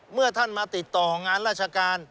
เมื่อท่านมาติดต่องานราชการ